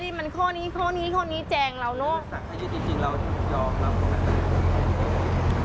ดิมันข้อนี้แจงเรานเนาะ